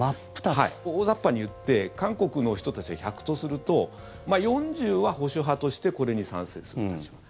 大雑把に言って韓国の人たちが１００とすると４０は保守派としてこれに賛成する立場。